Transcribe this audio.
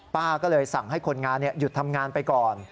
ป้าก็เลยสั่งให้คนงานหยุดทำงานไปก่อน